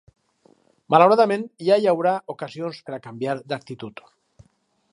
Malauradament ja hi haurà ocasions per a canviar d’actitud.